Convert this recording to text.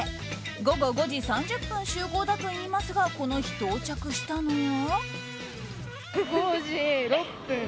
午後５時３０分集合だといいますがこの日、到着したのは。